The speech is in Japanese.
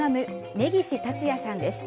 根岸辰也さんです。